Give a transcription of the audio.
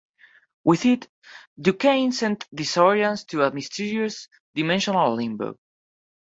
With it, DuCaine sent the Saurians to a mysterious "Dimensional Limbo".